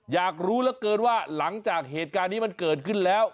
อยากรู้เหลือเกินว่าหลังจากเหตุการณ์นี้มันเกิดขึ้นแล้ว